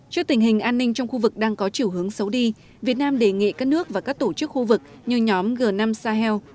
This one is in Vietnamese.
trước tình hình an ninh trong khu vực đang có chiều hướng xấu đi việt nam đề nghị các nước và các tổ chức khu vực như nhóm g năm sahel